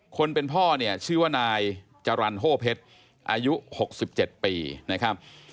คนเป็นพ่อเนี่ยชื่อว่านายจรรย์โฮเพชรอายุ๖๗ปีนะครับ